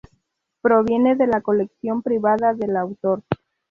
Proviene de la colección privada del autor.